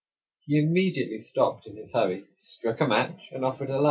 He immediately stopped in his hurry, struck a match, and offered a light."